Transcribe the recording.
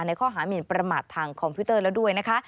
ข้อหามินประมาททางคอมพิวเตอร์แล้วด้วยนะคะ